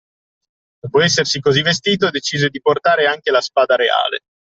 Dopo essersi così vestito, decise di portare anche la spada reale